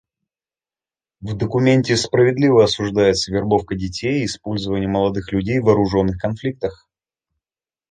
В документе справедливо осуждается вербовка детей и использование молодых людей в вооруженных конфликтах.